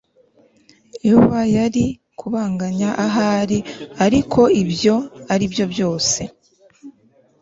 Yoba yari kubanganya Ahari Ariko ibyo aribyo byose